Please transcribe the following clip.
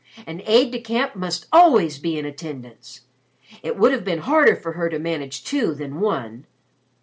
An aide de camp must always be in attendance. It would have been harder for her to manage two than one.